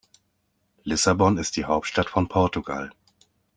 Lissabon ist die Hauptstadt von Portugal.